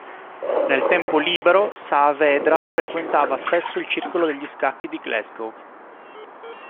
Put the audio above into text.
Nel tempo libero Saavedra frequentava spesso il circolo degli scacchi di Glasgow.